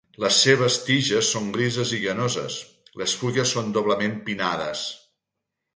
Les seves tiges són grises i llanoses; les fulles són doblement pinnades.